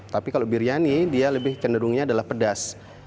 tapi kalau biryani dia lebih cenderungnya adalah pedas